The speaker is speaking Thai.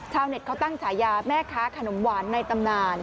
ชาวเน็ตเขาตั้งฉายาแม่ค้าขนมหวานในตำนาน